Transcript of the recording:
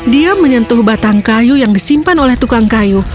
dia menyentuh batang kayu yang disimpan oleh tukang kayu